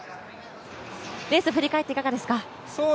レースを振り返っていかがですか。